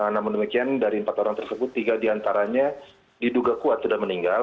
namun demikian dari empat orang tersebut tiga diantaranya diduga kuat sudah meninggal